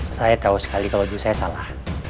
saya tahu sekali kalau dulu saya salah